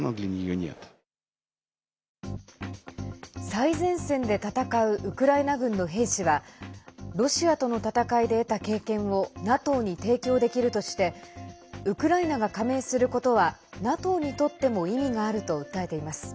最前線で戦うウクライナ軍の兵士はロシアとの戦いで得た経験をＮＡＴＯに提供できるとしてウクライナが加盟することはＮＡＴＯにとっても意味があると訴えています。